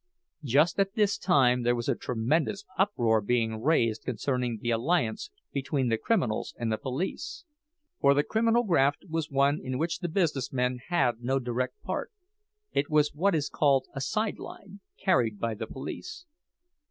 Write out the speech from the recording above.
Just at this time there was a tremendous uproar being raised concerning the alliance between the criminals and the police. For the criminal graft was one in which the business men had no direct part—it was what is called a "side line," carried by the police.